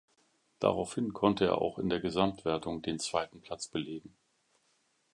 Daraufhin konnte er auch in der Gesamtwertung den zweiten Platz belegen.